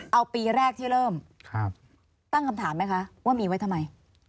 เอาปีแรกที่เริ่มตั้งคำถามไหมคะว่ามีไว้ทำไม